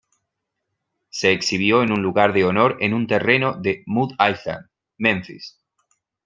Se exhibió en un lugar de honor en un terreno de Mud Island, Memphis.